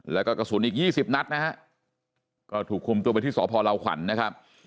แล้วก็กระสุนอีก๒๐นัดนะฮะก็ถูกคุมตัวไปที่สพลาวขวัญนะครับ